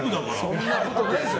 そんなことないですよ